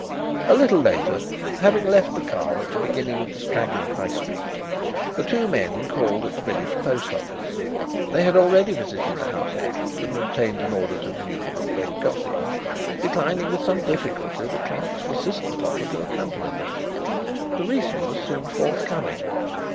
A little later, having left the car at the beginning of the straggling High Street, the two men called at the village post office. They had already visited the house agent and obtained an order to view Brookbend Cottage, declining with some difficulty the clerk's persistent offer to accompany them. The reason was soon forthcoming.